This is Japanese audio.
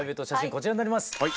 こちらになります！